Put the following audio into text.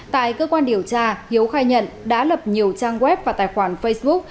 tại cơ quan điều tra hiếu khai nhận đã lập nhiều trang web và tài khoản facebook